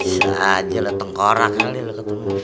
saja lo tengkorak kali lo ketemu